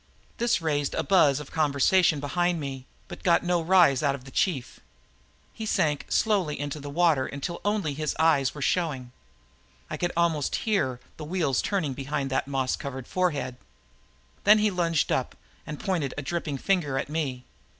This raised a buzz of conversation behind me, but got no rise out of the chief. He sank slowly into the water until only his eyes were showing. I could almost hear the wheels turning behind that moss covered forehead. Then he lunged up and pointed a dripping finger at me.